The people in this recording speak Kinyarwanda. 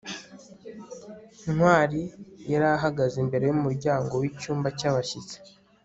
ntwali yari ahagaze imbere yumuryango wicyumba cyabashyitsi